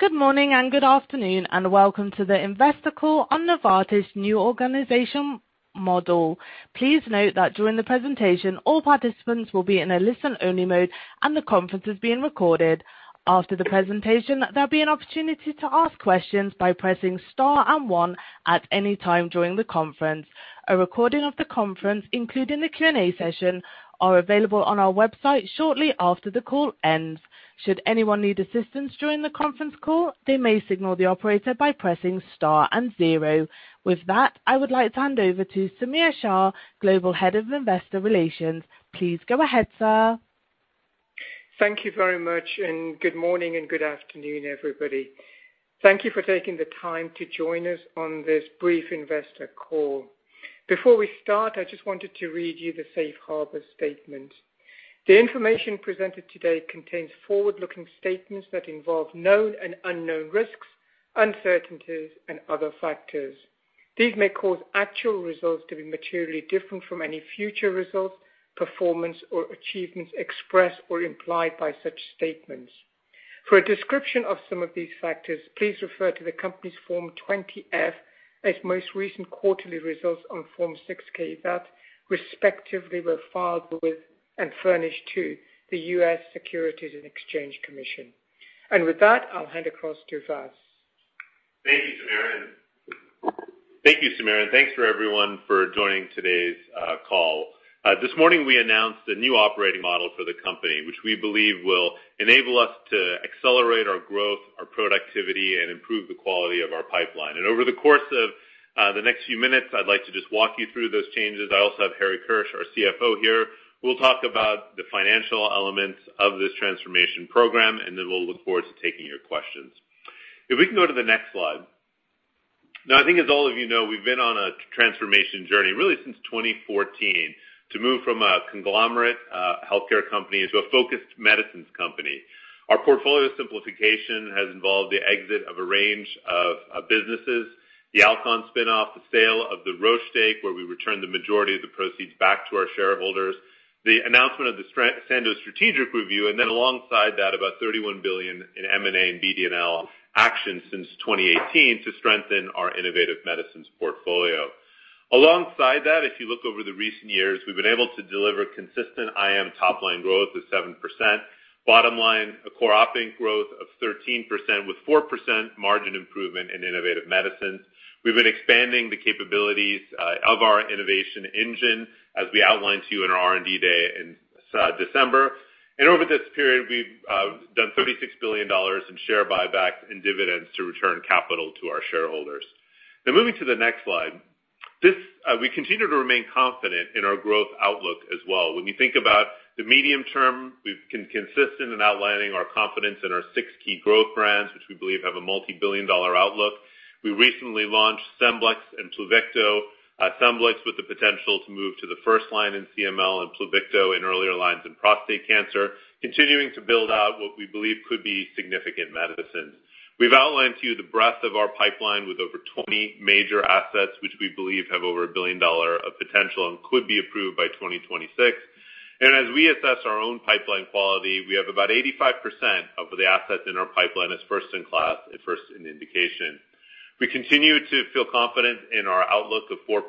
Good morning and good afternoon, and welcome to the investor call on Novartis' new organizational model. Please note that during the presentation all participants will be in a listen-only mode and the conference is being recorded. After the presentation, there'll be an opportunity to ask questions by pressing star and one at any time during the conference. A recording of the conference, including the Q&A session, are available on our website shortly after the call ends. Should anyone need assistance during the conference call, they may signal the operator by pressing star and zero. With that, I would like to hand over to Samir Shah, Global Head of Investor Relations. Please go ahead, sir. Thank you very much, and good morning and good afternoon, everybody. Thank you for taking the time to join us on this brief investor call. Before we start, I just wanted to read you the Safe Harbor statement. The information presented today contains forward-looking statements that involve known and unknown risks, uncertainties and other factors. These may cause actual results to be materially different from any future results, performance or achievements expressed or implied by such statements. For a description of some of these factors, please refer to the company's Form 20-F as most recent quarterly results on Form 6-K that respectively were filed with and furnished to the U.S. Securities and Exchange Commission. With that, I'll hand across to Vas. Thank you, Samir. Thank you, Samir, and thanks to everyone for joining today's call. This morning we announced a new operating model for the company, which we believe will enable us to accelerate our growth, our productivity, and improve the quality of our pipeline. Over the course of the next few minutes, I'd like to just walk you through those changes. I also have Harry Kirsch, our CFO here, who will talk about the financial elements of this transformation program, and then we'll look forward to taking your questions. If we can go to the next slide. Now, I think as all of you know, we've been on a transformation journey really since 2014 to move from a conglomerate healthcare company into a focused medicines company. Our portfolio simplification has involved the exit of a range of businesses. The Alcon spin-off, the sale of the Roche stake, where we returned the majority of the proceeds back to our shareholders. The announcement of the Sandoz strategic review, and then alongside that, about $31 billion in M&A and BD&L actions since 2018 to strengthen our innovative medicines portfolio. Alongside that, if you look over the recent years, we've been able to deliver consistent IM top line growth of 7%. Bottom line, a core operating growth of 13% with 4% margin improvement in innovative medicines. We've been expanding the capabilities of our innovation engine, as we outlined to you in our R&D Day in December. Over this period, we've done $36 billion in share buybacks and dividends to return capital to our shareholders. Now moving to the next slide. We continue to remain confident in our growth outlook as well. When we think about the medium term, we've been consistent in outlining our confidence in our six key growth brands, which we believe have a multi-billion-dollar outlook. We recently launched Scemblix and Pluvicto, Scemblix with the potential to move to the first line in CML and Pluvicto in earlier lines in prostate cancer, continuing to build out what we believe could be significant medicines. We've outlined to you the breadth of our pipeline with over 20 major assets, which we believe have over a billion-dollar potential and could be approved by 2026. As we assess our own pipeline quality, we have about 85% of the assets in our pipeline as first in class and first in indication. We continue to feel confident in our outlook of 4%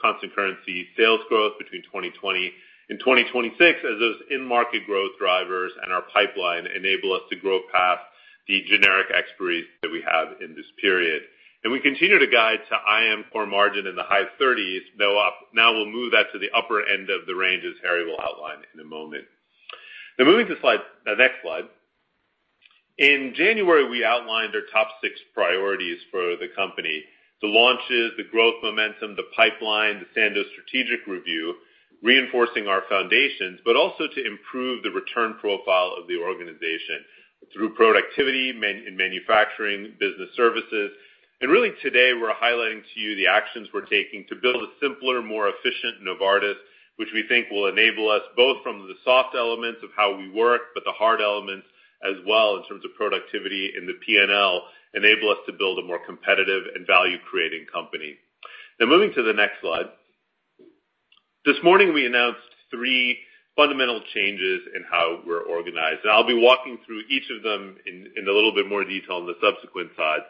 constant currency sales growth between 2020 and 2026 as those in-market growth drivers and our pipeline enable us to grow past the generic expiries that we have in this period. We continue to guide to IM core margin in the high 30s, though up. Now we'll move that to the upper end of the range, as Harry will outline in a moment. Now moving to the next slide. In January, we outlined our top six priorities for the company. The launches, the growth momentum, the pipeline, the Sandoz strategic review, reinforcing our foundations, but also to improve the return profile of the organization through productivity in manufacturing, business services. Really today we're highlighting to you the actions we're taking to build a simpler, more efficient Novartis, which we think will enable us both from the soft elements of how we work, but the hard elements as well in terms of productivity in the P&L enable us to build a more competitive and value-creating company. Now moving to the next slide. This morning we announced three fundamental changes in how we're organized, and I'll be walking through each of them in a little bit more detail on the subsequent slides.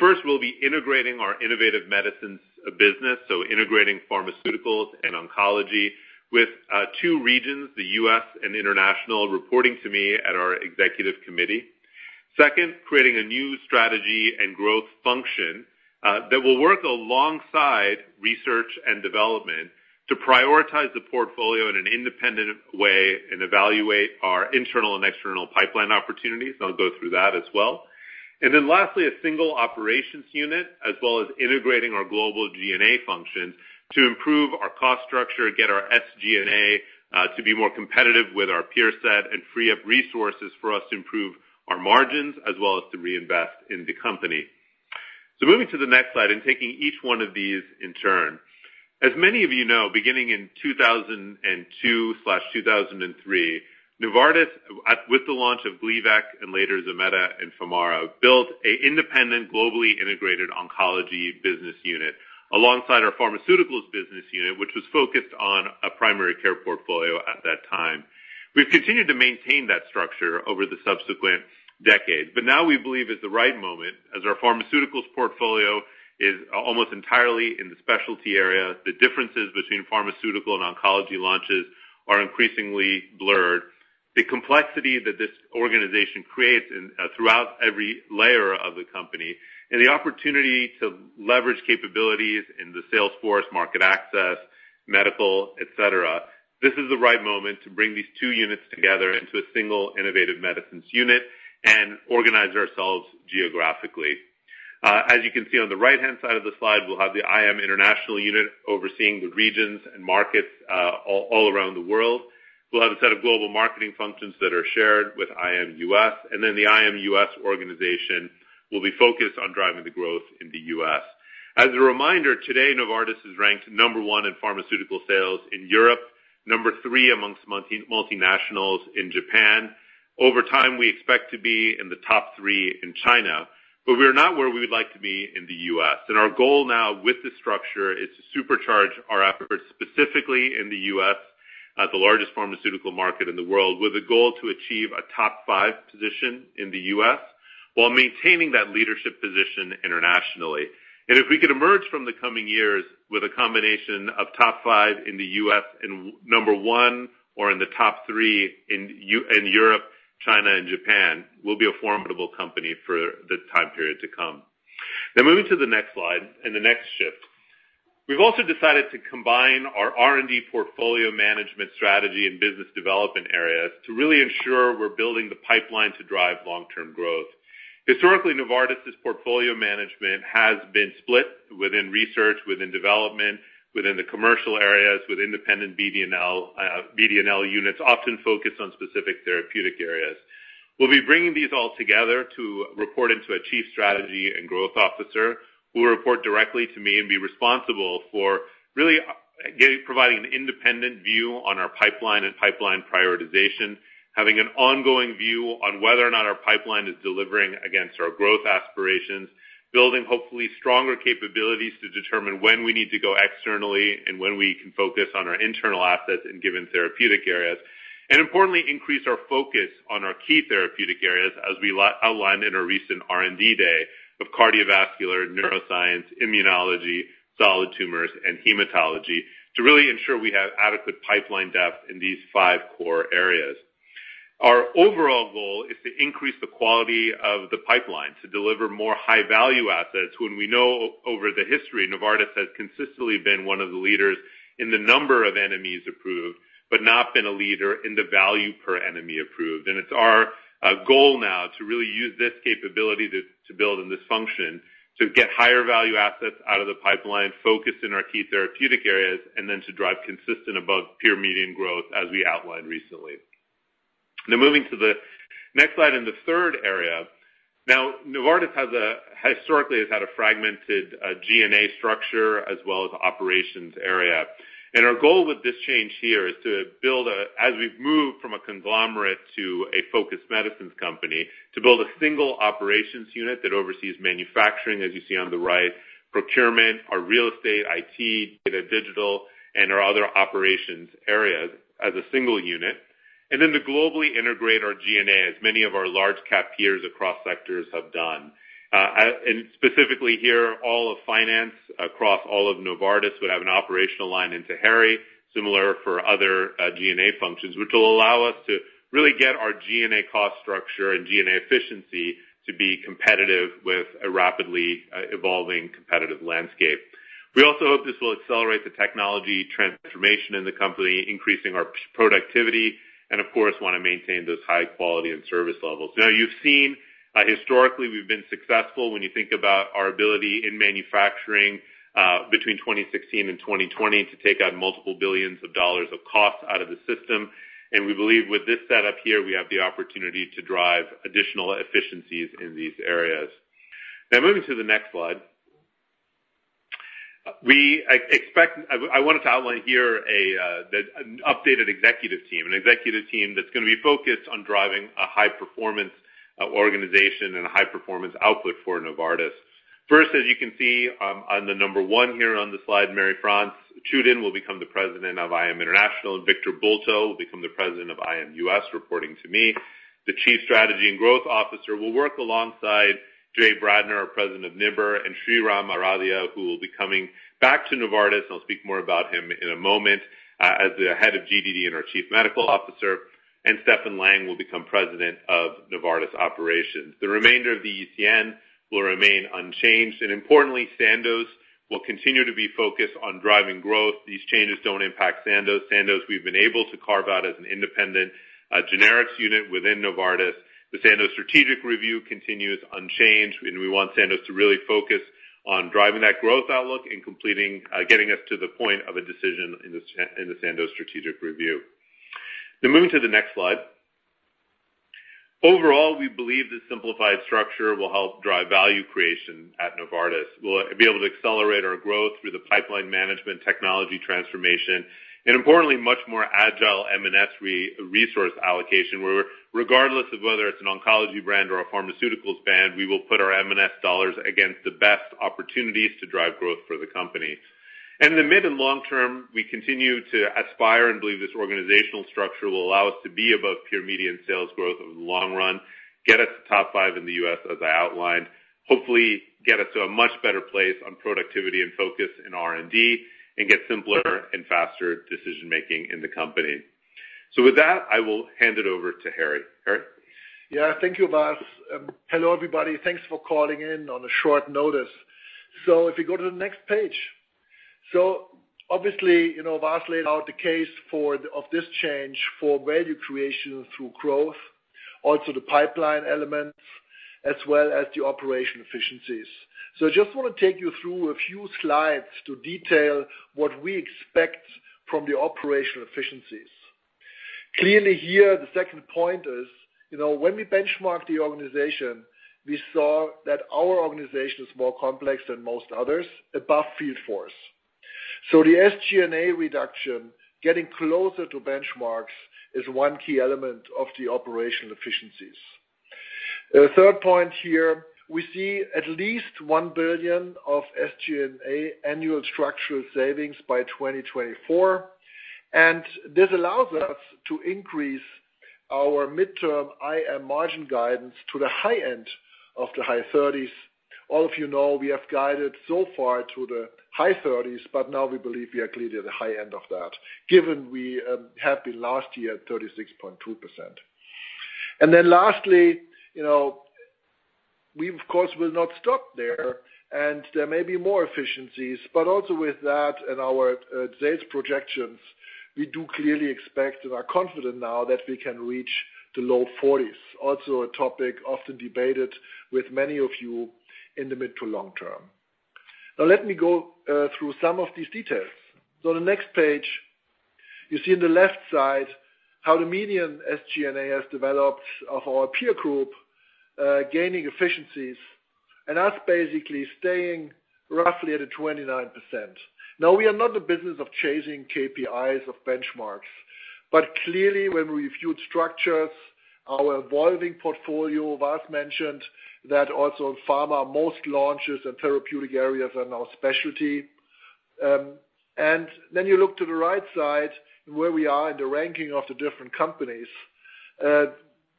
First we'll be integrating our Innovative Medicines business, so integrating Pharmaceuticals and Oncology with two regions, the U.S. and International, reporting to me at our Executive Committee. Second, creating a new strategy and growth function that will work alongside research and development to prioritize the portfolio in an independent way and evaluate our internal and external pipeline opportunities. I'll go through that as well. Lastly, a single operations unit, as well as integrating our global G&A function to improve our cost structure, get our SG&A to be more competitive with our peer set and free up resources for us to improve our margins as well as to reinvest in the company. Moving to the next slide and taking each one of these in turn. As many of you know, beginning in 2002/2003, Novartis with the launch of Gleevec and later Zometa and Femara, built an independent, globally integrated oncology business unit alongside our pharmaceuticals business unit, which was focused on a primary care portfolio at that time. We've continued to maintain that structure over the subsequent decade. Now we believe it's the right moment as our pharmaceuticals portfolio is almost entirely in the specialty area. The differences between pharmaceutical and oncology launches are increasingly blurred. The complexity that this organization creates throughout every layer of the company and the opportunity to leverage capabilities in the sales force, market access, medical, et cetera, this is the right moment to bring these two units together into a single Innovative Medicines unit and organize ourselves geographically. As you can see on the right-hand side of the slide, we'll have the IM International unit overseeing the regions and markets, all around the world. We'll have a set of global marketing functions that are shared with IM U.S., and then the IM U.S. organization will be focused on driving the growth in the U.S. As a reminder, today, Novartis is ranked number one in pharmaceutical sales in Europe, number three amongst multinationals in Japan. Over time, we expect to be in the top three in China, but we're not where we would like to be in the U.S. Our goal now with this structure is to supercharge our efforts, specifically in the U.S., the largest pharmaceutical market in the world, with a goal to achieve a top five position in the U.S. while maintaining that leadership position internationally. If we could emerge from the coming years with a combination of top five in the U.S. and number one or in the top three in Europe, China, and Japan, we'll be a formidable company for the time period to come. Now moving to the next slide and the next shift. We've also decided to combine our R&D portfolio management strategy and business development areas to really ensure we're building the pipeline to drive long-term growth. Historically, Novartis' portfolio management has been split within research, within development, within the commercial areas with independent BD&L units, often focused on specific therapeutic areas. We'll be bringing these all together to report into a Chief Strategy and Growth Officer who will report directly to me and be responsible for really providing an independent view on our pipeline and pipeline prioritization, having an ongoing view on whether or not our pipeline is delivering against our growth aspirations, building hopefully stronger capabilities to determine when we need to go externally and when we can focus on our internal assets in given therapeutic areas, and importantly, increase our focus on our key therapeutic areas as we outlined in our recent R&D Day of cardiovascular, neuroscience, immunology, solid tumors, and hematology to really ensure we have adequate pipeline depth in these five core areas. Our overall goal is to increase the quality of the pipeline to deliver more high-value assets when we know over the history, Novartis has consistently been one of the leaders in the number of NMEs approved, but not been a leader in the value per NME approved. It's our goal now to really use this capability to build in this function to get higher value assets out of the pipeline, focus in our key therapeutic areas, and then to drive consistent above peer median growth as we outlined recently. Now moving to the next slide and the third area. Now, Novartis historically has had a fragmented G&A structure as well as operations area and our goal with this change here is to build a... As we've moved from a conglomerate to a focused medicines company, to build a single operations unit that oversees manufacturing, as you see on the right, procurement, our real estate, IT, data digital, and our other operations areas as a single unit. To globally integrate our G&A, as many of our large cap peers across sectors have done. Specifically here, all of finance across all of Novartis would have an operational line into Harry, similar for other G&A functions, which will allow us to really get our G&A cost structure and G&A efficiency to be competitive with a rapidly evolving competitive landscape. We also hope this will accelerate the technology transformation in the company, increasing our productivity, and of course we want to maintain those high quality and service levels. Now you've seen historically, we've been successful when you think about our ability in manufacturing between 2016 and 2020 to take out $ multiple billions of costs out of the system. We believe with this setup here, we have the opportunity to drive additional efficiencies in these areas. Now moving to the next slide. I wanted to outline here the updated executive team that's going to be focused on driving a high-performance organization and a high-performance output for Novartis. First, as you can see on the number one here on the slide, Marie-France Tschudin will become the President of IM International, and Victor Bulto will become the President of IM US, reporting to me. The Chief Strategy and Growth Officer will work alongside James Bradner, our President of NIBR, and Shreeram Aradhye, who will be coming back to Novartis. I'll speak more about him in a moment, as the head of GDD and our Chief Medical Officer. Steffen Lang will become President of Novartis Operations. The remainder of the ECN will remain unchanged. Importantly, Sandoz will continue to be focused on driving growth. These changes don't impact Sandoz. Sandoz, we've been able to carve out as an independent generics unit within Novartis. The Sandoz strategic review continues unchanged, and we want Sandoz to really focus on driving that growth outlook and getting us to the point of a decision in the Sandoz strategic review. Now moving to the next slide. Overall, we believe this simplified structure will help drive value creation at Novartis. We'll be able to accelerate our growth through the pipeline management technology transformation and importantly, much more agile M&S re-resource allocation, where regardless of whether it's an oncology brand or a pharmaceuticals brand, we will put our M&S dollars against the best opportunities to drive growth for the company. In the mid and long term, we continue to aspire and believe this organizational structure will allow us to be above peer median sales growth over the long run, get us to top five in the U.S. as I outlined, hopefully get us to a much better place on productivity and focus in R&D, and get simpler and faster decision-making in the company. With that, I will hand it over to Harry. Harry? Thank you, Vas. Hello, everybody. Thanks for calling in on short notice. If you go to the next page. Obviously, you know, Vas laid out the case for this change for value creation through growth, also the pipeline elements, as well as the operational efficiencies. I just wanna take you through a few slides to detail what we expect from the operational efficiencies. Clearly here, the second point is, you know, when we benchmark the organization, we saw that our organization is more complex than most others above field force. The SG&A reduction, getting closer to benchmarks is one key element of the operational efficiencies. The third point here, we see at least $1 billion of SG&A annual structural savings by 2024, and this allows us to increase our midterm IM margin guidance to the high end of the high 30s%. All of you know we have guided so far to the high 30s, but now we believe we are clearly at the high end of that, given we have been last year at 36.2%. Then lastly, you know, we of course will not stop there, and there may be more efficiencies, but also with that and our sales projections, we do clearly expect and are confident now that we can reach the low 40s. Also a topic often debated with many of you in the mid to long term. Now let me go through some of these details. The next page, you see on the left side how the median SG&A has developed of our peer group, gaining efficiencies and us basically staying roughly at a 29%. We are not in the business of chasing KPIs or benchmarks, but clearly when we reviewed structures, our evolving portfolio, Vas mentioned that also in pharma most launches and therapeutic areas are now specialty. Then you look to the right side where we are in the ranking of the different companies.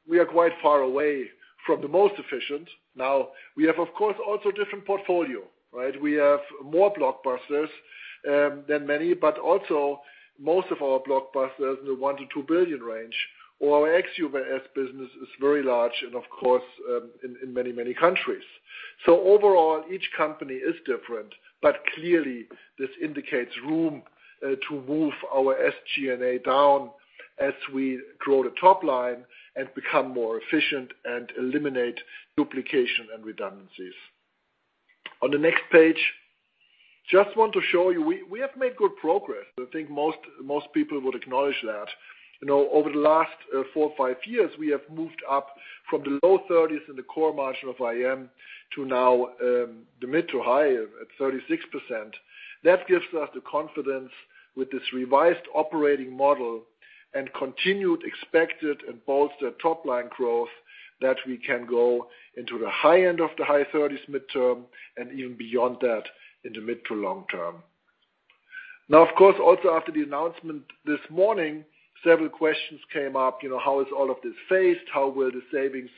We are quite far away from the most efficient. Now we have of course also different portfolio, right? We have more blockbusters than many, but also most of our blockbusters in the $1 billion-$2 billion range or our ex-US business is very large and of course in many countries. Overall each company is different, but clearly this indicates room to move our SG&A down as we grow the top line and become more efficient and eliminate duplication and redundancies. On the next page, I just want to show you we have made good progress. I think most people would acknowledge that. You know, over the last four or five years, we have moved up from the low 30s in the core margin of IM to now the mid- to high 30s at 36%. That gives us the confidence with this revised operating model and continued expected and bolstered top line growth that we can go into the high end of the high 30s mid-term, and even beyond that in the mid- to long-term. Now of course, also after the announcement this morning, several questions came up, you know, how is all of this phased, how will the savings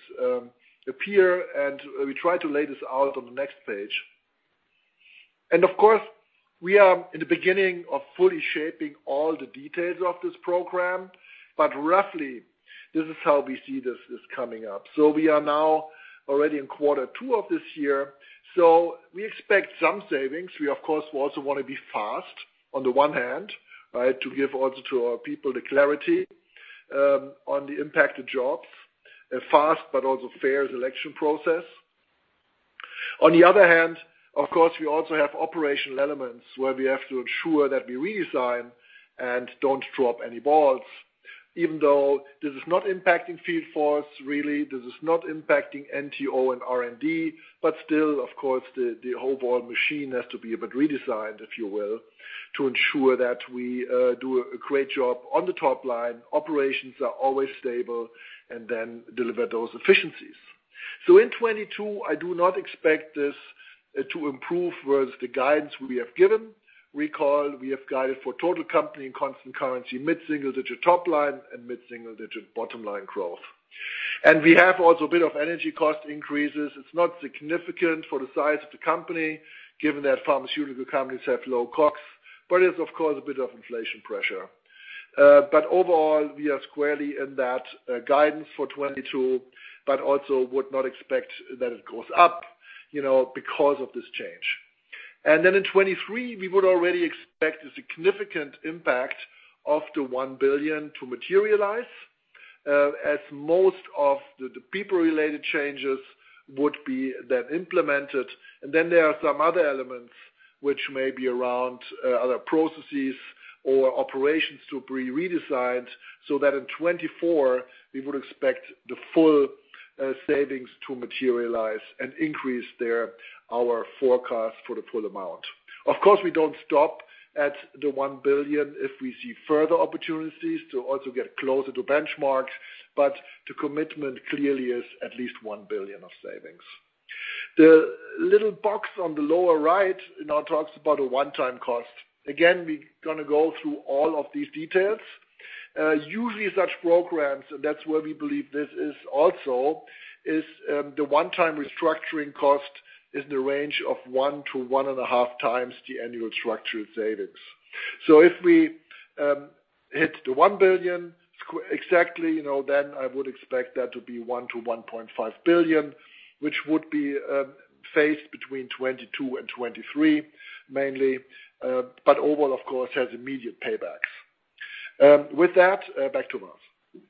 appear, and we try to lay this out on the next page. Of course, we are in the beginning of fully shaping all the details of this program, but roughly this is how we see this coming up. We are now already in quarter two of this year. We expect some savings. We of course also want to be fast on the one hand, right, to give also to our people the clarity on the impact to jobs a fast but also fair selection process. On the other hand, of course, we also have operational elements where we have to ensure that we redesign and don't drop any balls, even though this is not impacting field force really, this is not impacting NTO and R&D, but still of course the whole broad machine has to be a bit redesigned, if you will, to ensure that we do a great job on the top line, operations are always stable and then deliver those efficiencies. In 2022, I do not expect this to improve towards the guidance we have given. Recall we have guided for total company in constant currency, mid-single digit top line and mid-single digit bottom line growth. We have also a bit of energy cost increases. It's not significant for the size of the company given that pharmaceutical companies have low costs, but it's of course a bit of inflation pressure. Overall we are squarely in that guidance for 2022, but also would not expect that it goes up, you know, because of this change. In 2023, we would already expect a significant impact of the $1 billion to materialize, as most of the people related changes would be then implemented. There are some other elements which may be around other processes or operations to be redesigned so that in 2024 we would expect the full savings to materialize and increase there our forecast for the full amount. Of course, we don't stop at the $1 billion if we see further opportunities to also get closer to benchmark, but the commitment clearly is at least $1 billion of savings. The little box on the lower right now talks about a one-time cost. Again, we're gonna go through all of these details. Usually such programs, that's where we believe this is also the one-time restructuring cost is in the range of one to 1.5x the annual structured savings. So if we hit the $1 billion exactly, you know, then I would expect that to be $1-$1.5 billion, which would be phased between 2022 and 2023 mainly. But overall, of course, has immediate paybacks. With that, back to Vas.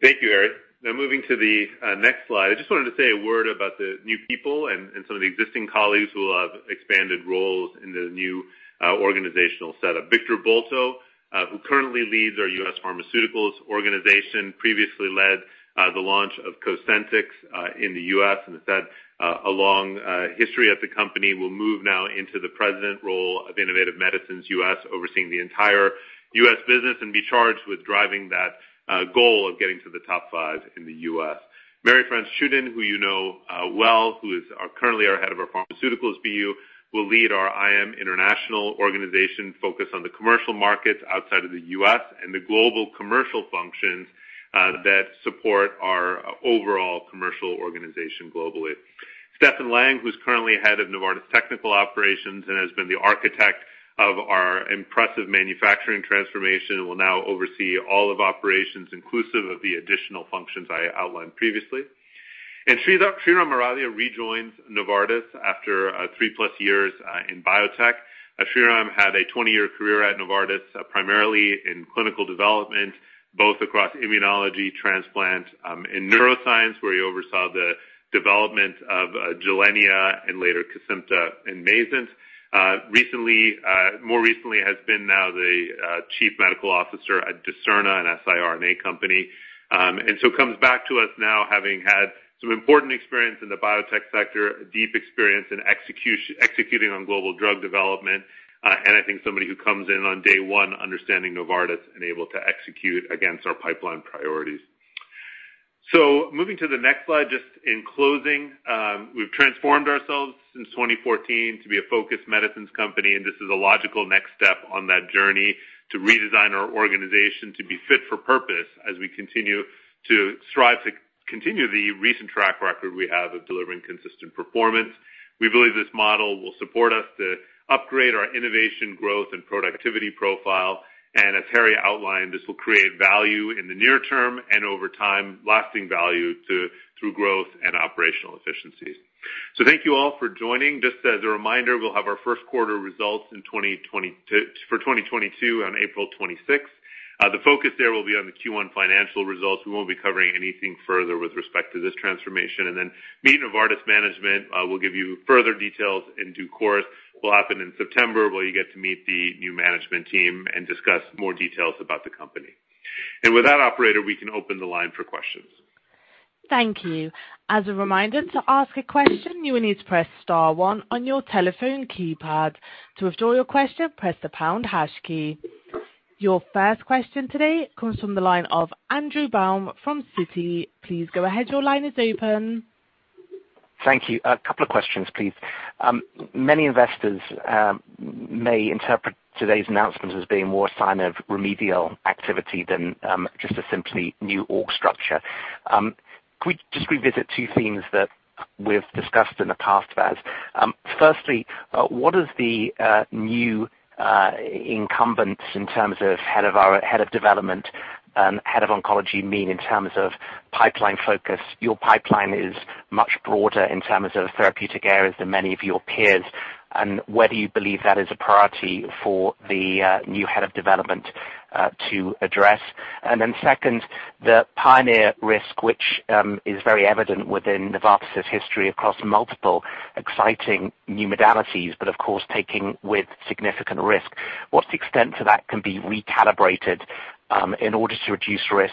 Thank you, Harry. Now moving to the next slide. I just wanted to say a word about the new people and some of the existing colleagues who will have expanded roles in the new organizational setup. Victor Bulto, who currently leads our U.S. Pharmaceuticals organization, previously led the launch of Cosentyx in the U.S. and has had a long history at the company, will move now into the president role of Innovative Medicines U.S., overseeing the entire U.S. business and be charged with driving that goal of getting to the top five in the U.S. Marie-France Tschudin, who you know well, who is currently our head of our Pharmaceuticals BU, will lead our IM international organization focused on the commercial markets outside of the U.S. and the global commercial functions that support our overall commercial organization globally. Steffen Lang, who's currently head of Novartis Technical Operations and has been the architect of our impressive manufacturing transformation, will now oversee all of operations, inclusive of the additional functions I outlined previously. Shreeram Aradhye rejoins Novartis after three-plus years in biotech. Shreeram Aradhye had a 20-year career at Novartis, primarily in clinical development, both across immunology, transplant, in neuroscience, where he oversaw the development of Gilenya, and later Kesimpta and Mayzent. Recently, more recently, he has been the chief medical officer at Dicerna, an siRNA company. He comes back to us now having had some important experience in the biotech sector, a deep experience in executing on global drug development, and I think somebody who comes in on day one understanding Novartis and able to execute against our pipeline priorities. Moving to the next slide, just in closing, we've transformed ourselves since 2014 to be a focused medicines company, and this is a logical next step on that journey to redesign our organization to be fit for purpose as we continue to strive to continue the recent track record we have of delivering consistent performance. We believe this model will support us to upgrade our innovation, growth, and productivity profile. As Harry outlined, this will create value in the near term and over time, lasting value through growth and operational efficiencies. Thank you all for joining. Just as a reminder, we'll have our first quarter results in 2022 on April 26th. The focus there will be on the Q1 financial results. We won't be covering anything further with respect to this transformation. Meet Novartis management will give you further details in due course. It will happen in September, where you get to meet the new management team and discuss more details about the company. With that, operator, we can open the line for questions. Thank you. As a reminder, to ask a question, you will need to press star one on your telephone keypad. To withdraw your question, press the pound hash key. Your first question today comes from the line of Andrew Baum from Citi. Please go ahead. Your line is open. Thank you. A couple of questions, please. Many investors may interpret today's announcement as being more a sign of remedial activity than just a simple new org structure. Could we just revisit two themes that we've discussed in the past, Vas? Firstly, what are the new incumbents in terms of head of development and head of oncology mean in terms of pipeline focus? Your pipeline is much broader in terms of therapeutic areas than many of your peers, and whether you believe that is a priority for the new head of development to address. Second, the pioneer risk, which is very evident within Novartis' history across multiple exciting new modalities, but of course, comes with significant risk. What's the extent to which that can be recalibrated, in order to reduce risk,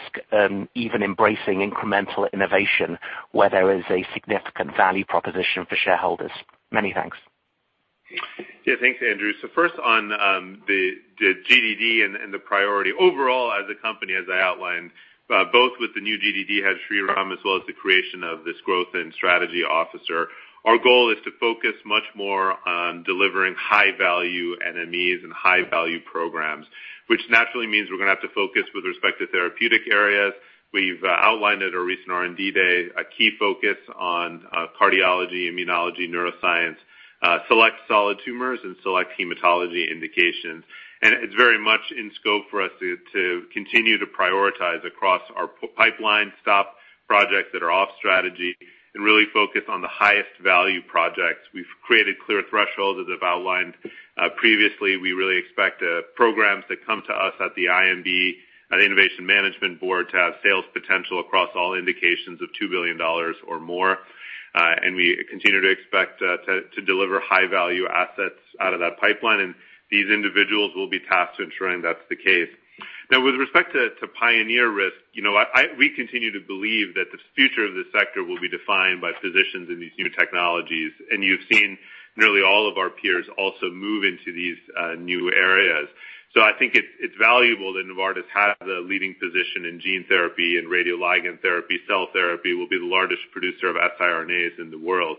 even embracing incremental innovation where there is a significant value proposition for shareholders? Many thanks. Yeah, thanks, Andrew. First on the GDD and the priority. Overall, as a company, as I outlined both with the new GDD head, Shreeram, as well as the creation of this growth and strategy officer, our goal is to focus much more on delivering high-value NMEs and high-value programs, which naturally means we're gonna have to focus with respect to therapeutic areas. We've outlined at our recent R&D day a key focus on cardiology, immunology, neuroscience, select solid tumors, and select hematology indications. It's very much in scope for us to continue to prioritize across our pipeline, stop projects that are off strategy, and really focus on the highest value projects. We've created clear thresholds, as I've outlined previously. We really expect programs that come to us at the IMB, at Innovation Management Board, to have sales potential across all indications of $2 billion or more. We continue to expect to deliver high-value assets out of that pipeline, and these individuals will be tasked to ensuring that's the case. Now, with respect to pioneer risk, you know, we continue to believe that the future of this sector will be defined by physicians in these new technologies, and you've seen nearly all of our peers also move into these new areas. I think it's valuable that Novartis has a leading position in gene therapy and radioligand therapy. Cell therapy will be the largest producer of siRNAs in the world.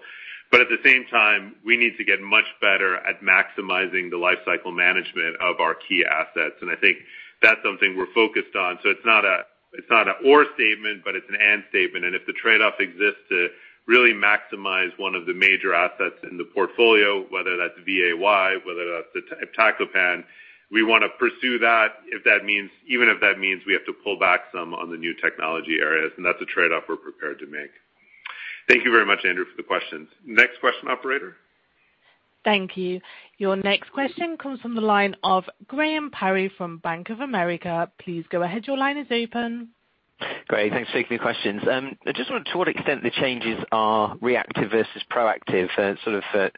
At the same time, we need to get much better at maximizing the life cycle management of our key assets. I think that's something we're focused on. It's not a, it's not an or statement, but it's an and statement. If the trade-off exists to really maximize one of the major assets in the portfolio, whether that's Fabhalta, whether that's the iptacopan, we wanna pursue that, if that means, even if that means we have to pull back some on the new technology areas, and that's a trade-off we're prepared to make. Thank you very much, Andrew, for the questions. Next question, operator. Thank you. Your next question comes from the line of Graham Parry from Bank of America. Please go ahead. Your line is open. Great. Thanks for taking the questions. I just want to know what extent the changes are reactive versus proactive, sort of a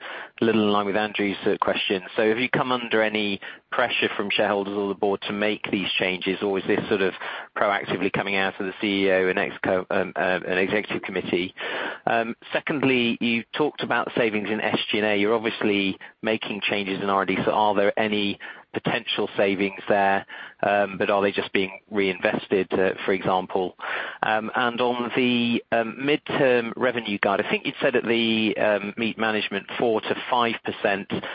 little in line with Andrew Baum's question. Have you come under any pressure from shareholders or the board to make these changes, or is this sort of proactively coming out of the CEO and executive committee? Secondly, you talked about savings in SG&A. You're obviously making changes in R&D, so are there any potential savings there, but are they just being reinvested, for example? On the midterm revenue guide, I think you'd said at the management meeting 4%-5%.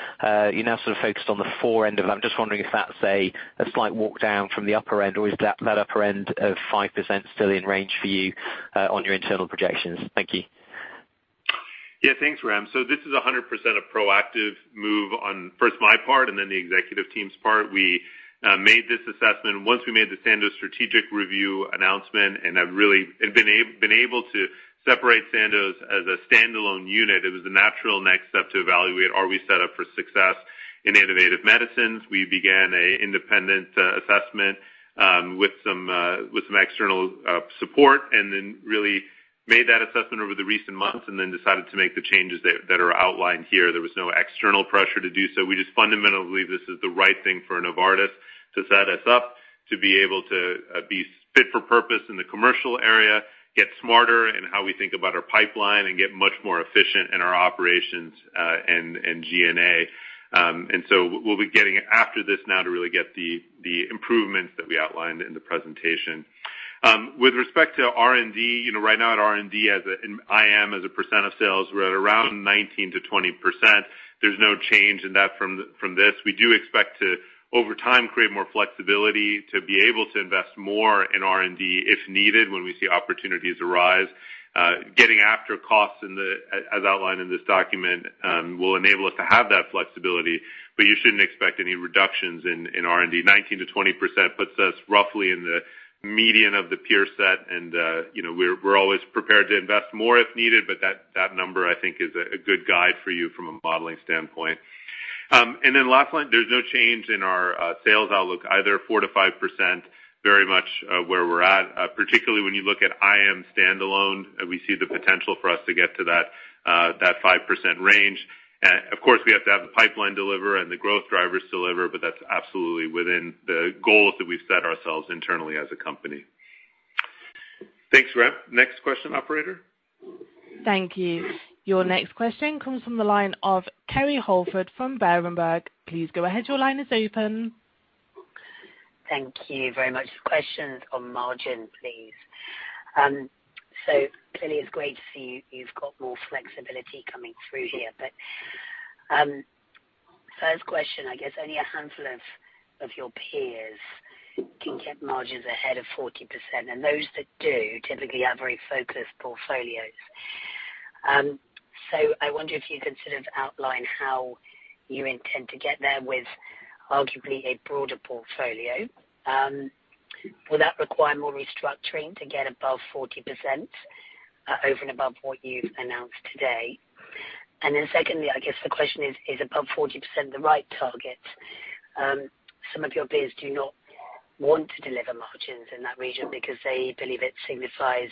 You're now sort of focused on the lower end of that. I'm just wondering if that's a slight walk down from the upper end, or is that upper end of 5% still in range for you on your internal projections? Thank you. Yeah, thanks, Graham. This is 100% a proactive move on, first my part and then the executive team's part. We made this assessment. Once we made the Sandoz strategic review announcement, and have really been able to separate Sandoz as a standalone unit, it was the natural next step to evaluate, are we set up for success in Innovative Medicines? We began an independent assessment with some external support and then really made that assessment over the recent months and then decided to make the changes that are outlined here. There was no external pressure to do so. We just fundamentally believe this is the right thing for Novartis to set us up to be able to be fit for purpose in the commercial area, get smarter in how we think about our pipeline, and get much more efficient in our operations, and G&A. We'll be getting after this now to really get the improvements that we outlined in the presentation. With respect to R&D, you know, right now at R&D, IM as a percent of sales, we're at around 19%-20%. There's no change in that from this. We do expect to, over time, create more flexibility to be able to invest more in R&D if needed when we see opportunities arise. Getting after costs as outlined in this document will enable us to have that flexibility. You shouldn't expect any reductions in R&D. 19%-20% puts us roughly in the median of the peer set and, you know, we're always prepared to invest more if needed, but that number I think is a good guide for you from a modeling standpoint. And then last one, there's no change in our sales outlook either, 4%-5%, very much where we're at. Particularly when you look at IM standalone, we see the potential for us to get to that 5% range. Of course, we have to have the pipeline deliver and the growth drivers deliver, but that's absolutely within the goals that we've set ourselves internally as a company. Thanks, Graham. Next question, operator. Thank you. Your next question comes from the line of Kerry Holford from Berenberg. Please go ahead. Your line is open. Thank you very much. Question on margin, please. Clearly it's great to see you've got more flexibility coming through here. First question, I guess only a handful of your peers can get margins ahead of 40%, and those that do typically have very focused portfolios. I wonder if you could sort of outline how you intend to get there with arguably a broader portfolio. Will that require more restructuring to get above 40% over and above what you've announced today? Secondly, I guess the question is above 40% the right target? Some of your peers do not want to deliver margins in that region because they believe it signifies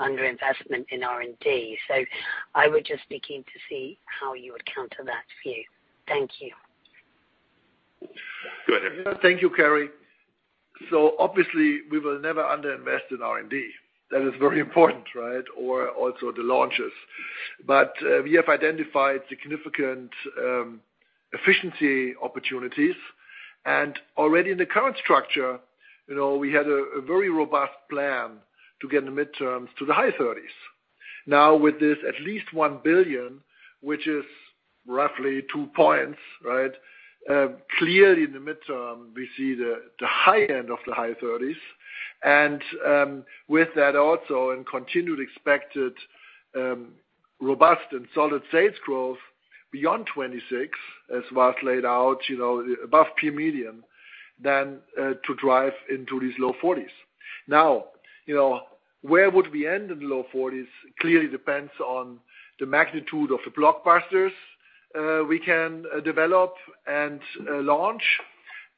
underinvestment in R&D. I would just be keen to see how you would counter that view. Thank you. Go ahead, Harry. Thank you, Kerry. Obviously we will never under-invest in R&D. That is very important, right? Also the launches. We have identified significant efficiency opportunities. Already in the current structure, you know, we had a very robust plan to get the midterms to the high 30s%. Now, with this at least $1 billion, which is roughly two points, right? Clearly in the midterm, we see the high end of the high 30s%. With that also and continued expected robust and solid sales growth beyond 2026, as Vas laid out, you know, above peer median, to drive into these low 40s%. Now, you know, where would we end in the low 40s% clearly depends on the magnitude of the blockbusters we can develop and launch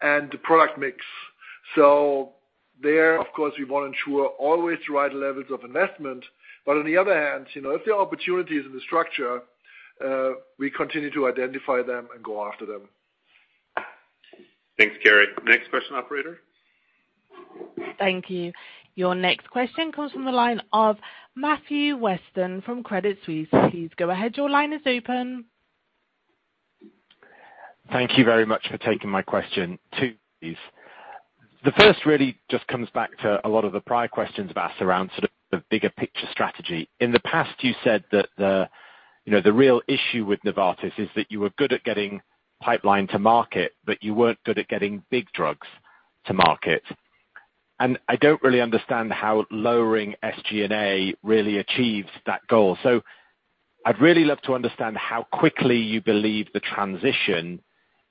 and the product mix. There, of course, we wanna ensure always the right levels of investment. On the other hand, you know, if there are opportunities in the structure, we continue to identify them and go after them. Thanks, Kerry. Next question, operator. Thank you. Your next question comes from the line of Matthew Weston from Credit Suisse. Please go ahead. Your line is open. Thank you very much for taking my question. Two, please. The first really just comes back to a lot of the prior questions about around sort of the bigger picture strategy. In the past, you said that the, you know, the real issue with Novartis is that you were good at getting pipeline to market, but you weren't good at getting big drugs to market. I don't really understand how lowering SG&A really achieves that goal. I'd really love to understand how quickly you believe the transition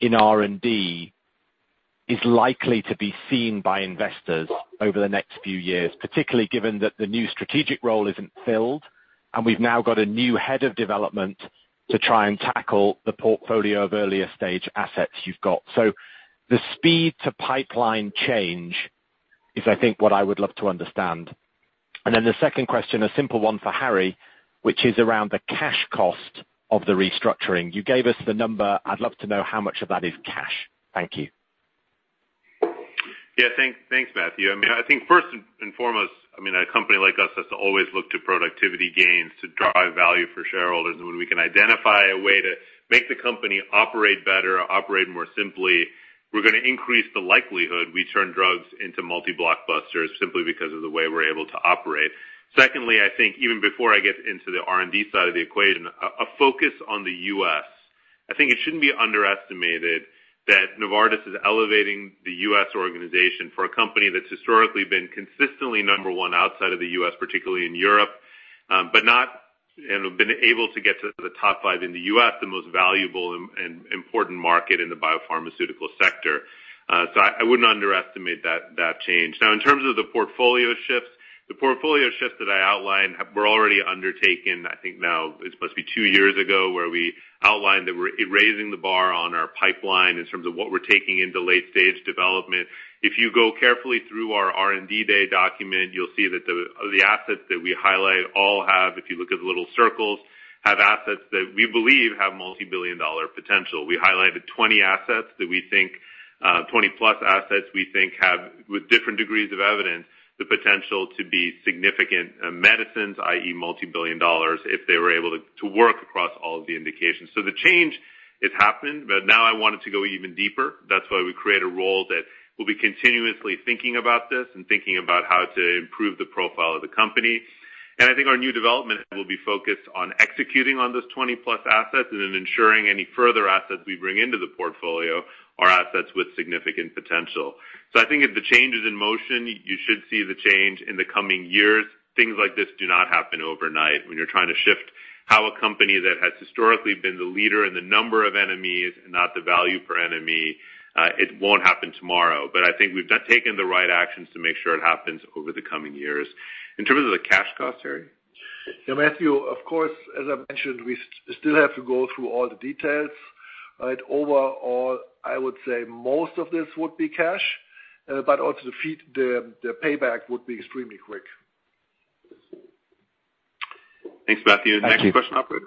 in R&D is likely to be seen by investors over the next few years, particularly given that the new strategic role isn't filled, and we've now got a new head of development to try and tackle the portfolio of earlier stage assets you've got. The speed to pipeline change is, I think, what I would love to understand. The second question, a simple one for Harry, which is around the cash cost of the restructuring. You gave us the number. I'd love to know how much of that is cash. Thank you. Thanks, Matthew. I mean, I think first and foremost, I mean, a company like us has to always look to productivity gains to drive value for shareholders. When we can identify a way to make the company operate better or operate more simply, we're gonna increase the likelihood we turn drugs into multi-blockbusters simply because of the way we're able to operate. Secondly, I think even before I get into the R&D side of the equation, a focus on the U.S. I think it shouldn't be underestimated that Novartis is elevating the U.S. organization for a company that's historically been consistently number one outside of the U.S., particularly in Europe, but not been able to get to the top five in the U.S., the most valuable and important market in the biopharmaceutical sector. I wouldn't underestimate that change. Now, in terms of the portfolio shifts, the portfolio shifts that I outlined were already undertaken, I think now it must be two years ago, where we outlined that we're raising the bar on our pipeline in terms of what we're taking into late stage development. If you go carefully through our R&D day document, you'll see that the assets that we highlight all have, if you look at the little circles, assets that we believe have multi-billion dollar potential. We highlighted 20 assets that we think, 20+ assets we think have, with different degrees of evidence, the potential to be significant medicines, i.e. multi-billion dollars, if they were able to work across all of the indications. The change has happened, but now I want it to go even deeper. That's why we create a role that will be continuously thinking about this and thinking about how to improve the profile of the company. I think our new development will be focused on executing on those 20-plus assets and then ensuring any further assets we bring into the portfolio are assets with significant potential. I think if the change is in motion, you should see the change in the coming years. Things like this do not happen overnight. When you're trying to shift how a company that has historically been the leader in the number of NMEs and not the value per NME, it won't happen tomorrow. I think we've taken the right actions to make sure it happens over the coming years. In terms of the cash cost, Harry? Yeah, Matthew, of course, as I mentioned, we still have to go through all the details. Overall, I would say most of this would be cash, but also the payback would be extremely quick. Thanks, Matthew. Thank you. Next question, operator.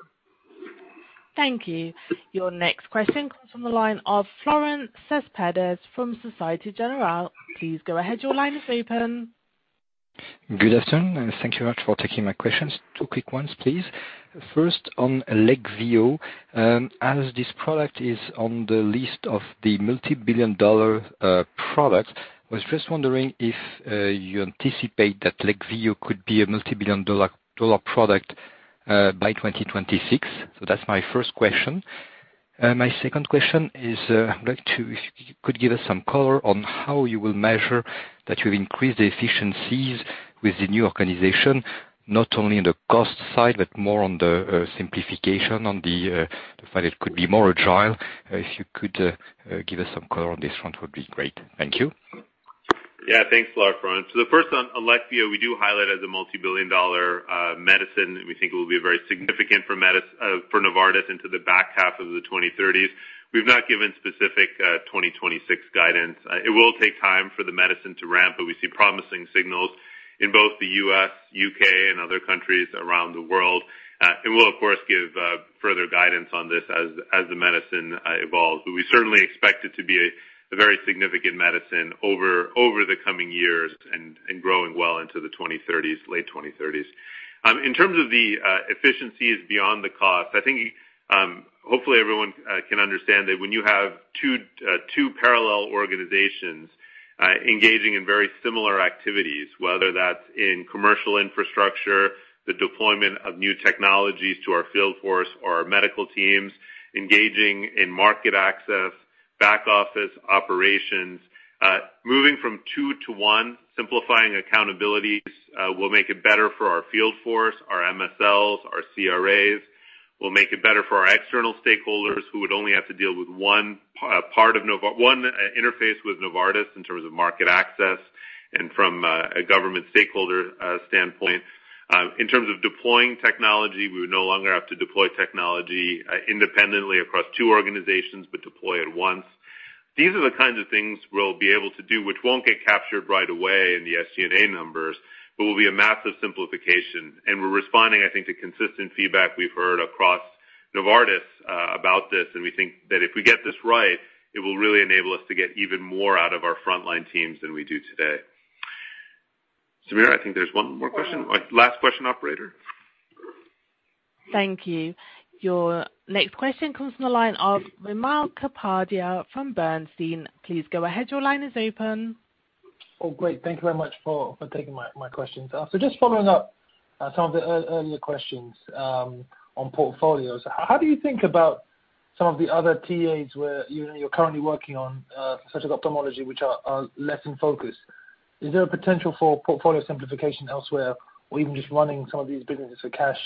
Thank you. Your next question comes from the line of Florent Cespedes from Société Générale. Please go ahead. Your line is open. Good afternoon, and thank you much for taking my questions. Two quick ones, please. First, on Leqvio, as this product is on the list of the multi-billion dollar products, I was just wondering if you anticipate that Leqvio could be a multi-billion dollar product by 2026. That's my first question. My second question is, if you could give us some color on how you will measure that you've increased the efficiencies with the new organization, not only on the cost side, but more on the simplification on the fact it could be more agile. If you could give us some color on this one, it would be great. Thank you. Yeah. Thanks, Florent. The first on Leqvio, we do highlight as a multi-billion-dollar medicine, and we think it will be very significant for Novartis into the back half of the 2030s. We've not given specific 2026 guidance. It will take time for the medicine to ramp, but we see promising signals in both the U.S., U.K., and other countries around the world. We'll of course give further guidance on this as the medicine evolves. We certainly expect it to be a very significant medicine over the coming years and growing well into the 2030s, late 2030s. In terms of the efficiencies beyond the cost, I think hopefully everyone can understand that when you have two parallel organizations engaging in very similar activities, whether that's in commercial infrastructure, the deployment of new technologies to our field force or our medical teams, engaging in market access, back office operations. Moving from two to one, simplifying accountabilities, will make it better for our field force, our MSLs, our CRAs. We'll make it better for our external stakeholders who would only have to deal with one interface with Novartis in terms of market access and from a government stakeholder standpoint. In terms of deploying technology, we would no longer have to deploy technology independently across two organizations, but deploy it once. These are the kinds of things we'll be able to do which won't get captured right away in the SG&A numbers, but will be a massive simplification. We're responding, I think, to consistent feedback we've heard across Novartis about this. We think that if we get this right, it will really enable us to get even more out of our frontline teams than we do today. Samir, I think there's one more question. Last question, operator. Thank you. Your next question comes from the line of Wimal Kapadia from Bernstein. Please go ahead. Your line is open. Oh, great. Thank you very much for taking my questions. Just following up some of the earlier questions on portfolios. How do you think about some of the other TAs where you're currently working on such as ophthalmology, which are less in focus? Is there a potential for portfolio simplification elsewhere, or even just running some of these businesses for cash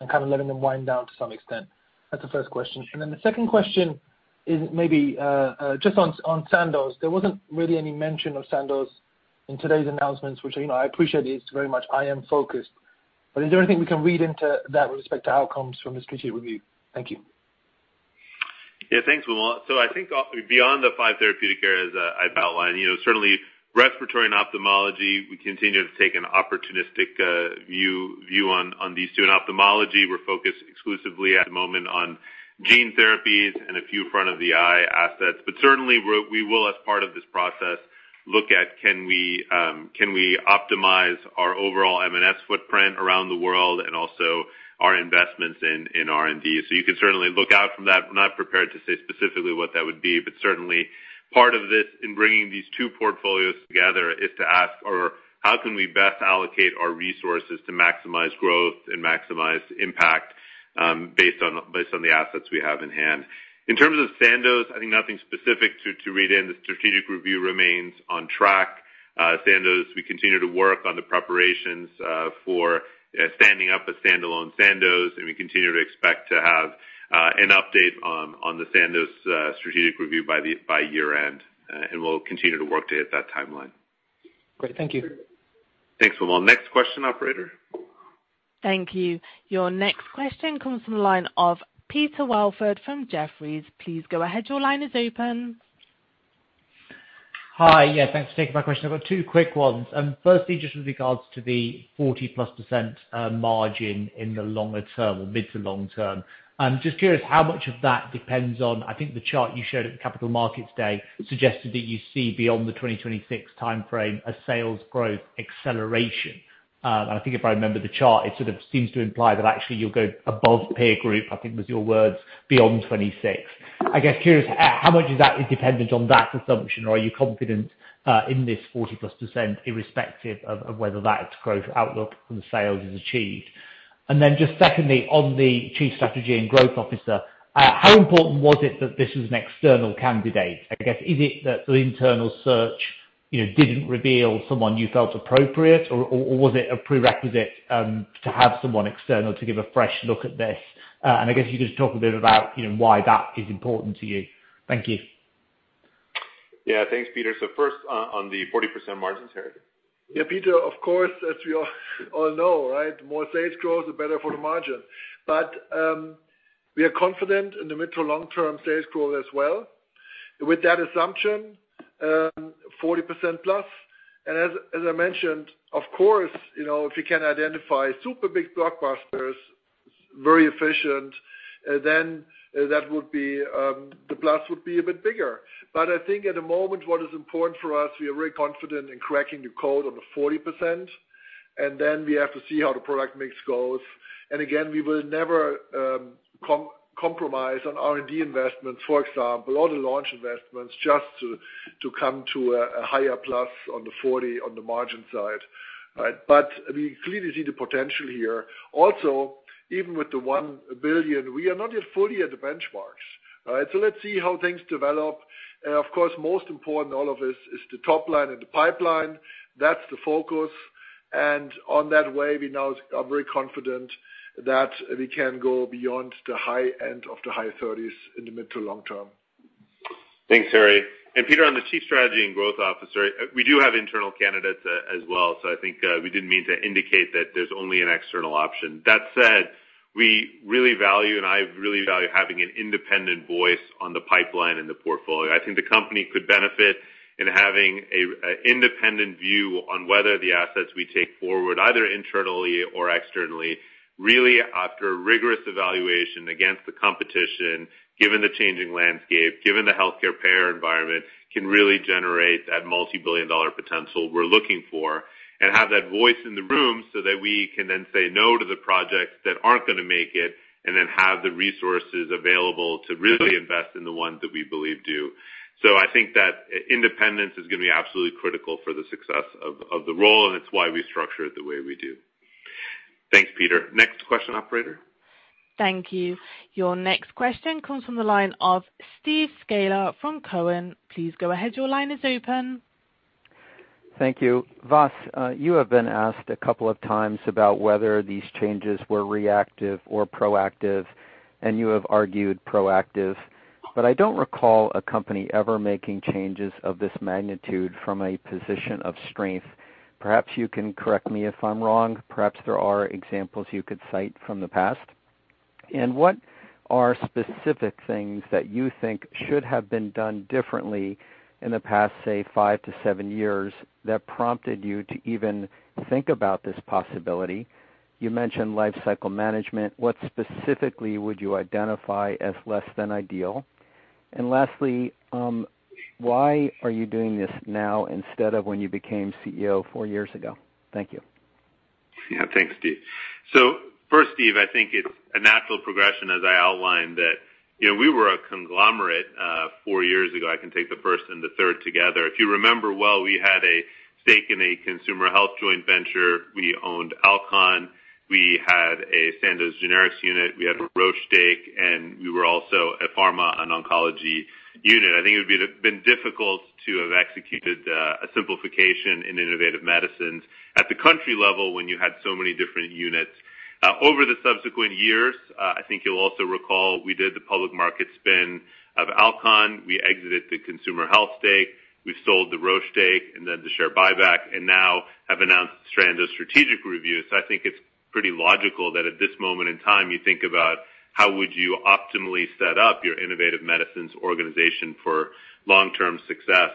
and kind of letting them wind down to some extent? That's the first question. The second question is maybe just on Sandoz. There wasn't really any mention of Sandoz in today's announcements, which, you know, I appreciate it's very much IM focused. But is there anything we can read into that with respect to outcomes from the strategic review? Thank you. Yeah, thanks, Wimal. I think beyond the five therapeutic areas that I've outlined, you know, certainly respiratory and ophthalmology, we continue to take an opportunistic view on these two. In ophthalmology, we're focused exclusively at the moment on gene therapies and a few front of the eye assets. Certainly, we will, as part of this process, look at can we optimize our overall M&S footprint around the world and also our investments in R&D. You can certainly look out from that. We're not prepared to say specifically what that would be, but certainly part of this in bringing these two portfolios together is to ask or how can we best allocate our resources to maximize growth and maximize impact based on the assets we have in hand. In terms of Sandoz, I think nothing specific to read in. The strategic review remains on track. Sandoz, we continue to work on the preparations for standing up a standalone Sandoz, and we continue to expect to have an update on the Sandoz strategic review by year-end, and we'll continue to work to hit that timeline. Great. Thank you. Thanks, Wimal. Next question, operator. Thank you. Your next question comes from the line of Peter Welford from Jefferies. Please go ahead. Your line is open. Hi. Yeah, thanks for taking my question. I've got two quick ones. Firstly, just with regards to the 40%+ margin in the longer term or mid to long term. I'm just curious how much of that depends on, I think the chart you showed at the Capital Markets Day suggested that you see beyond the 2026 timeframe a sales growth acceleration. And I think if I remember the chart, it sort of seems to imply that actually you'll go above peer group, I think was your words, beyond 2026. I guess, curious, how much is that dependent on that assumption, or are you confident in this 40%+ irrespective of whether that growth outlook from sales is achieved? And then just secondly, on the chief strategy and growth officer, how important was it that this was an external candidate? I guess, is it that the internal search, you know, didn't reveal someone you felt appropriate, or was it a prerequisite to have someone external to give a fresh look at this? I guess you just talk a bit about, you know, why that is important to you. Thank you. Yeah. Thanks, Peter. First on the 40% margins, Harry. Yeah, Peter, of course, as we all know, right, more sales growth, the better for the margin. We are confident in the mid to long term sales growth as well. With that assumption, 40% plus. As I mentioned, of course, you know, if you can identify super big blockbusters, very efficient, then that would be, the plus would be a bit bigger. I think at the moment, what is important for us, we are very confident in cracking the code on the 40%, and then we have to see how the product mix goes. We will never compromise on R&D investments, for example, or the launch investments, just to come to a higher plus on the 40% on the margin side. We clearly see the potential here. Even with the $1 billion, we are not yet fully at the benchmarks. Let's see how things develop. Of course, most important all of this is the top line and the pipeline. That's the focus. On that way, we now are very confident that we can go beyond the high end of the high 30s in the mid to long term. Thanks, Harry. Peter, on the chief strategy and growth officer, we do have internal candidates as well, so I think we didn't mean to indicate that there's only an external option. That said, we really value, and I really value having an independent voice on the pipeline and the portfolio. I think the company could benefit in having an independent view on whether the assets we take forward, either internally or externally, really after rigorous evaluation against the competition, given the changing landscape, given the healthcare payer environment, can really generate that multi-billion dollar potential we're looking for and have that voice in the room so that we can then say no to the projects that aren't gonna make it, and then have the resources available to really invest in the ones that we believe do. I think that independence is gonna be absolutely critical for the success of the role, and it's why we structure it the way we do. Thanks, Peter. Next question, operator. Thank you. Your next question comes from the line of Steve Scala from Cowen. Please go ahead. Your line is open. Thank you. Vas, you have been asked a couple of times about whether these changes were reactive or proactive, and you have argued proactive. But I don't recall a company ever making changes of this magnitude from a position of strength. Perhaps you can correct me if I'm wrong. Perhaps there are examples you could cite from the past. What are specific things that you think should have been done differently in the past, say, five to seven years, that prompted you to even think about this possibility? You mentioned lifecycle management. What specifically would you identify as less than ideal? Lastly, why are you doing this now instead of when you became CEO four years ago? Thank you. Yeah. Thanks, Steve. First, Steve, I think it's a natural progression as I outlined that, you know, we were a conglomerate four years ago. I can take the first and the third together. If you remember, well, we had a stake in a consumer health joint venture. We owned Alcon. We had a Sandoz generics unit. We had a Roche stake, and we were also a pharma and oncology unit. I think it would have been difficult to have executed a simplification in Innovative Medicines at the country level when you had so many different units. Over the subsequent years, I think you'll also recall we did the public market spin of Alcon. We exited the consumer health stake, we've sold the Roche stake and then the share buyback, and now have announced start of strategic reviews. I think it's pretty logical that at this moment in time, you think about how would you optimally set up your innovative medicines organization for long-term success.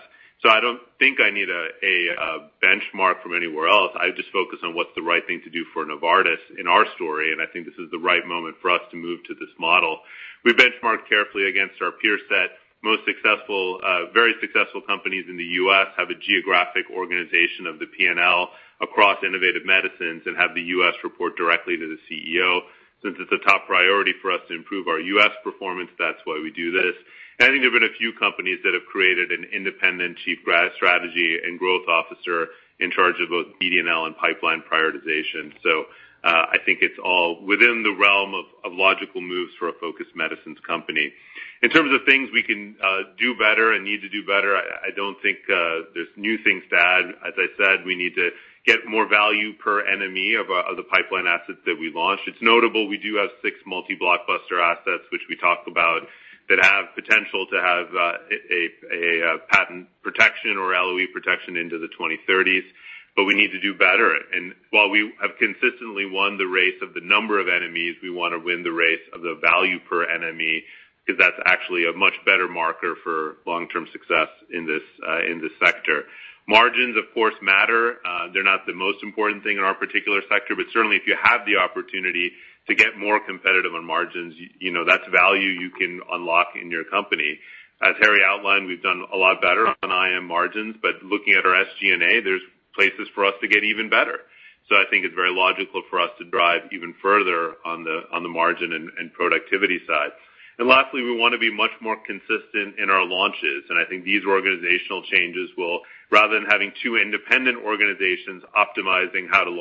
I don't think I need a benchmark from anywhere else. I just focus on what's the right thing to do for Novartis in our story, and I think this is the right moment for us to move to this model. We benchmarked carefully against our peer set. Most successful, very successful companies in the U.S. have a geographic organization of the P&L across innovative medicines and have the U.S. report directly to the CEO. Since it's a top priority for us to improve our U.S. performance, that's why we do this. I think there've been a few companies that have created an independent chief strategy and growth officer in charge of both BD&L and pipeline prioritization. I think it's all within the realm of logical moves for a focused medicines company. In terms of things we can do better and need to do better, I don't think there's new things to add. As I said, we need to get more value per NME of the pipeline assets that we launched. It's notable, we do have six multi-blockbuster assets, which we talk about, that have potential to have patent protection or LOE protection into the twenty-thirties. But we need to do better. While we have consistently won the race of the number of NMEs, we wanna win the race of the value per NME, 'cause that's actually a much better marker for long-term success in this sector. Margins, of course, matter. They're not the most important thing in our particular sector, but certainly if you have the opportunity to get more competitive on margins, you know, that's value you can unlock in your company. As Harry outlined, we've done a lot better on IM margins, but looking at our SG&A, there's places for us to get even better. I think it's very logical for us to drive even further on the margin and productivity side. Lastly, we wanna be much more consistent in our launches, and I think these organizational changes will, rather than having two independent organizations optimizing how to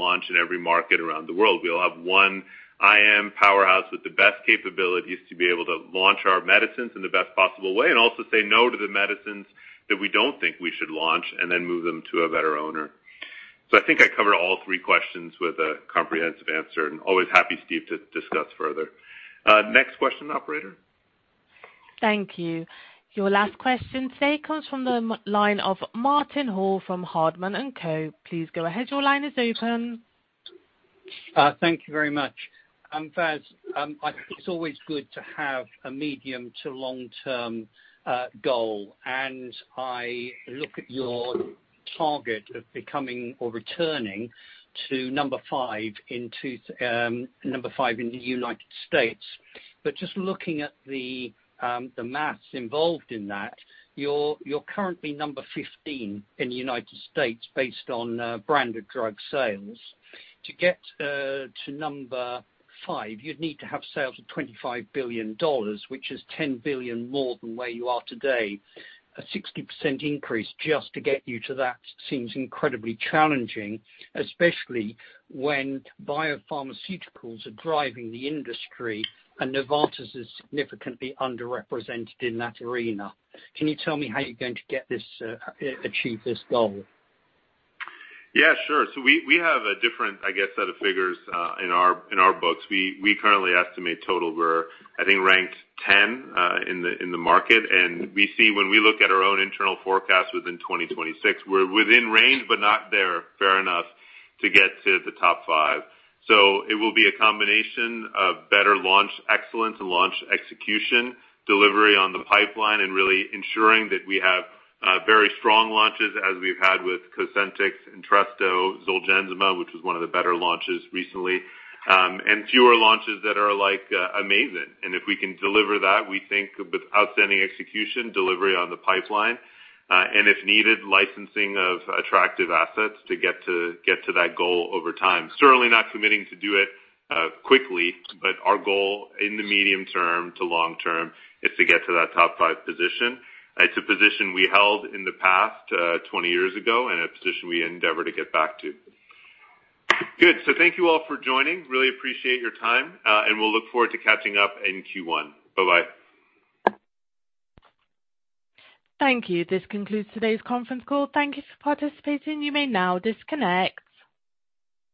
launch in every market around the world, we'll have one IM powerhouse with the best capabilities to be able to launch our medicines in the best possible way and also say no to the medicines that we don't think we should launch and then move them to a better owner. I think I covered all three questions with a comprehensive answer. Always happy, Steve, to discuss further. Next question, operator. Thank you. Your last question today comes from the line of Martin Hall from Hardman & Co. Please go ahead. Your line is open. Thank you very much. Vas, I think it's always good to have a medium to long-term goal. I look at your target of becoming or returning to number five in the United States. Just looking at the math involved in that, you're currently number 15 in the United States based on branded drug sales. To get to number five, you'd need to have sales of $25 billion, which is $10 billion more than where you are today. A 60% increase just to get you to that seems incredibly challenging, especially when biopharmaceuticals are driving the industry and Novartis is significantly underrepresented in that arena. Can you tell me how you're going to achieve this goal? Yeah, sure. We have a different, I guess, set of figures in our books. We currently estimate total, we're I think ranked 10 in the market. We see when we look at our own internal forecast within 2026, we're within range, but not there, fair enough to get to the top five. It will be a combination of better launch excellence and launch execution, delivery on the pipeline, and really ensuring that we have very strong launches as we've had with Cosentyx, Entresto, Zolgensma, which was one of the better launches recently, and fewer launches that are like Adakveo. If we can deliver that, we think with outstanding execution, delivery on the pipeline, and if needed, licensing of attractive assets to get to that goal over time. Certainly not committing to do it quickly, but our goal in the medium-term to long-term is to get to that top five position. It's a position we held in the past, 20 years ago, and a position we endeavor to get back to. Good. Thank you all for joining. Really appreciate your time, and we'll look forward to catching up in Q1. Bye-bye. Thank you. This concludes today's conference call. Thank you for participating. You may now disconnect.